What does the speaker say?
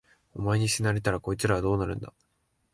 お前に死なれたら、こいつらはどうなるんだ。